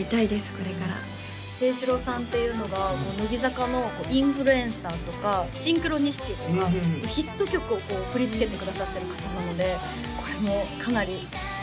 これからＳｅｉｓｈｉｒｏさんっていうのが乃木坂の「インフルエンサー」とか「シンクロニシティ」とかヒット曲を振り付けてくださってる方なのでこれもかなりいい感じ